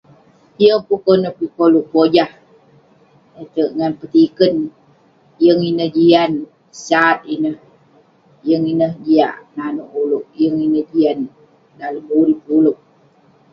Yeng pun konep kik koluk pojah, kle'terk ngan..petikern..yeng ineh jian..sat ineh..yeng ineh jiak manouk ulouk, yeng ineh jian dalem urip ulouk..